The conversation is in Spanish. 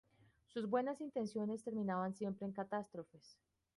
Sus buenas intenciones terminaban siempre en catástrofes.